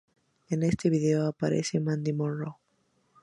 En el vídeo aparece Mandy Moore.